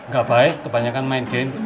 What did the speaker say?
gak baik kebanyakan main game